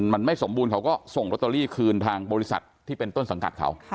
มันไม่สมบูรณ์เขาก็ส่งโรตเตอรี่คืนทางบริษัทที่เป็นต้นสังกัดเขา